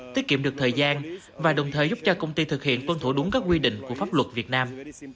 tiết kiệm được thời gian và đồng thời giúp cho công ty thực hiện tuân thủ đúng các quy định của pháp luật việt nam